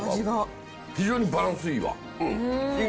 非常にバランスいいわ。